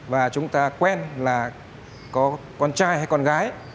và chúng ta quen là có con trai hay con gái